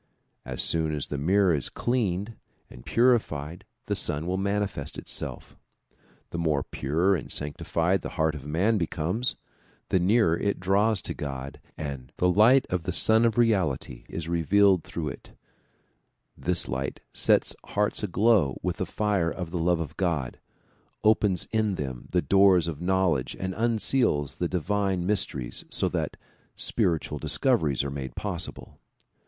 As soon as the mirror is cleaned and purified the sun will manifest itself. The more pure 142 DISCOURSES DELIVERED IN NEW YORK 143 and sanctified the heart of man becomes, the nearer it draws to God and the light of the Sim of Reality is revealed within it. This light sets hearts aglow with the fire of the love of God, opens in them the doors of knowledge and unseals the divine mysteries so that spiritual discoveries are made possible.